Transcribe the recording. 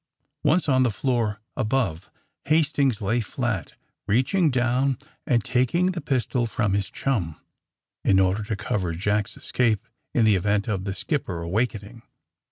.Once on the floor above Hastings lay flat, reaching down and taking the pistol from his chum, in order to cover Jack^s escape in the event of the skipper awakening.